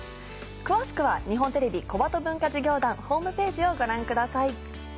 詳しくは日本テレビ小鳩文化事業団ホームページをご覧ください。